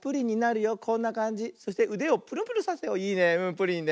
プリンね。